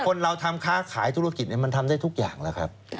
คนเราทำค้าขายธุรกิจมันทำได้ทุกอย่างแล้วครับ